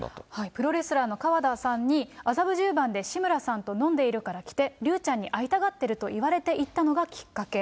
プロレスラーの川田さんに、麻布十番で志村さんと飲んでいるから来て、竜ちゃんに会いたがってると言われて行ったのがきっかけ。